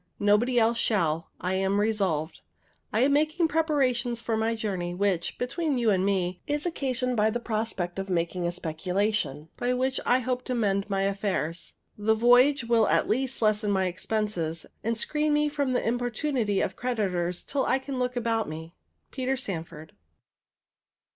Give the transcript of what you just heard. Nobody else shall, I am resolved. I am making preparations for my journey, which, between you and me, is occasioned by the prospect of making a speculation, by which I hope to mend my affairs. The voyage will at least lessen my expenses, and screen me from the importunity of creditors till I can look about me. PETER SANFORD.